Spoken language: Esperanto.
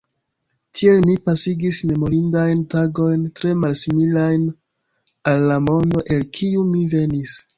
Tiel mi pasigis memorindajn tagojn tre malsimilajn al la mondo, el kiu mi venis.